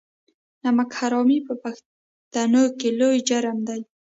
نمک حرامي په پښتنو کې لوی جرم دی.